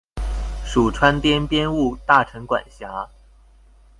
属川滇边务大臣管辖。